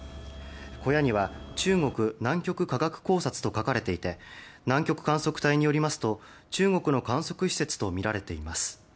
小屋には「中国南極科学考察」と書かれていて南極観測隊によりますと中国の観測施設とみられています。